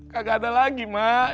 gak ada lagi mak